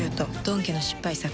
ドン家の失敗作。